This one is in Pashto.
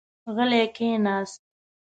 غلی کېناست.